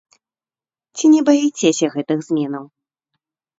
Ці не баіцеся гэтых зменаў?